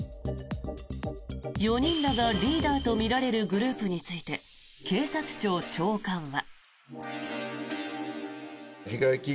４人らがリーダーとみられるグループについて警察庁長官は。